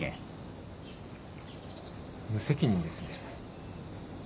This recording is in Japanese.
無責任ですね。